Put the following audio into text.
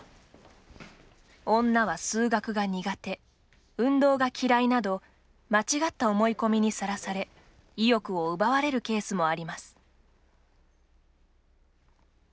「女は数学が苦手」「運動が嫌い」など間違った思い込みにさらされ意欲を奪われるケースもあります。